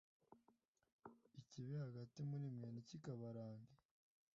ikibi hagati muri mwe ntikikabarange.